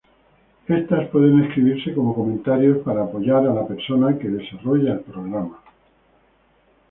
Estas pueden escribirse como comentarios para apoyar a la persona que desarrolla el programa.